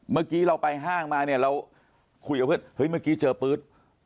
เมื่อกี้เราไปห้างมาเนี่ยเราคุยกับเพื่อนเฮ้ยเมื่อกี้เจอปื๊ด